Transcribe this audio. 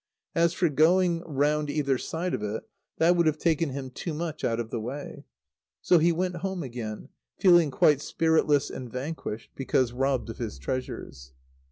As for going round either side of it, that would have taken him too much out of the way. So he went home again, feeling quite spiritless and vanquished, because robbed of his treasures.